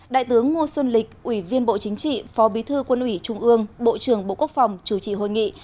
đại tướng ngô xuân lịch ủy viên bộ chính trị phó bí thư quân ủy trung ương bộ trưởng bộ quốc phòng chủ trì hội nghị